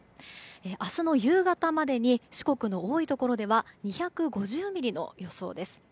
明日の夕方までに四国の多いところでは２５０ミリの予想です。